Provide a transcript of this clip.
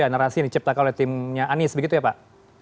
narasi yang diciptakan oleh timnya anies begitu ya pak